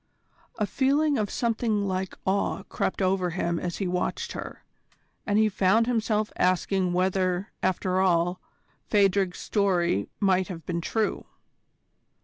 A feeling of something like awe crept over him as he watched her, and he found himself asking whether, after all, Phadrig's story might have been true.